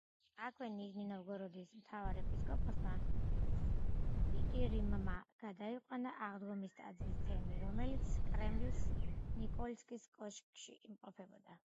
აქვე ნიჟნი-ნოვგოროდის მთავარეპისკოპოსმა პიტირიმმა გადაიყვანა აღდგომის ტაძრის თემი, რომელიც კრემლის ნიკოლსკის კოშკი იმყოფებოდა.